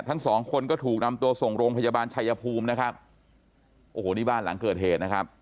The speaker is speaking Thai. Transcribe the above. ทั้งสองคนก็ถูกนำตัวส่งโรงพยาบาลชัยภูมินะครับโอ้โหนี่บ้านหลังเกิดเหตุนะครับ